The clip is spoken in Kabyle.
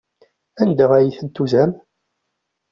Anda ay tent-tuzam?